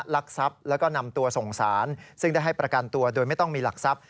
ลักทรัพย์แล้วก็นำตัวส่งสารซึ่งได้ให้ประกันตัวโดยไม่ต้องมีหลักทรัพย